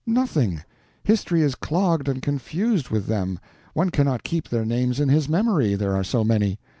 Nothing—history is clogged and confused with them; one cannot keep their names in his memory, there are so many.